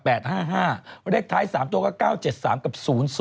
เลขท้าย๓ตัวก็๙๗๓กับ๐๐